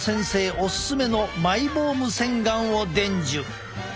オススメのマイボーム洗顔を伝授！